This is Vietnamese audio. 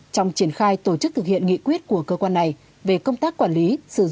trong triển khai tổ chức thực hiện nghị quyết của cơ quan này